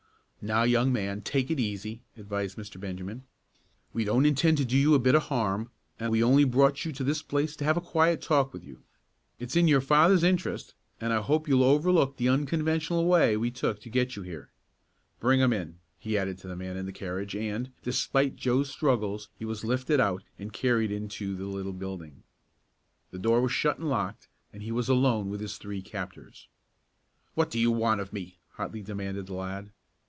"Now, young man, take it easy," advised Mr. Benjamin. "We don't intend to do you a bit of harm, and we only brought you to this place to have a quiet talk with you. It's in your father's interest and I hope you'll overlook the unconventional way we took to get you here. Bring him in," he added to the man in the carriage and, despite Joe's struggles he was lifted out and carried into the little building. The door was shut and locked, and he was alone with his three captors. "What do you want of me?" hotly demanded the lad.